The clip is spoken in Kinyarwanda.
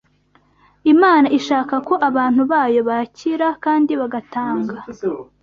Imana ishaka ko abantu bayo bakira kandi bagatanga